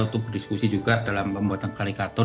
untuk berdiskusi juga dalam pembuatan kalikator